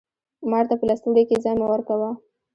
مار ته په لستوڼي کښي ځای مه ورکوه